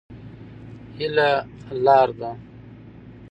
هيله لار ده.